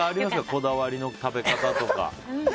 こだわりの食べ方とか。